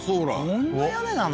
こんな屋根なの？